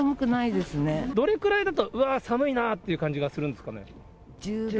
どれぐらいだと、うわー、寒いなって感じがするんですかね？